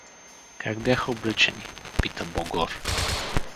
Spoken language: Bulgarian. — Как бяха облечени? — попита Богор.